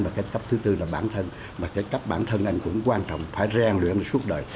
và cấp thứ bốn là bản thân cấp bản thân anh cũng quan trọng phải rèn luyện suốt đời